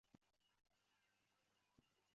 战争过程主要是同盟国和协约国之间的战斗。